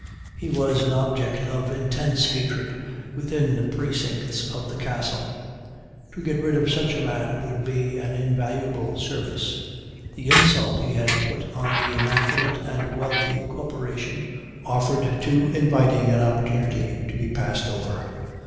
He was an object of intense hatred within the precincts of the Castle. To get rid of such a man would be an invaluable service. The insult he had put on the immaculate and wealthy Corporation, offered too inviting an opportunity to be passed over.